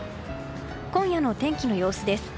今夜の天気の様子です。